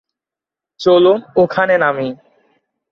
চলুন, ওখানে নামি।